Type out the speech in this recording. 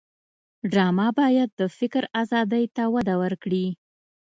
ډرامه باید د فکر آزادۍ ته وده ورکړي